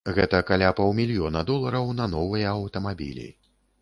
Гэта каля паўмільёна долараў на новыя аўтамабілі.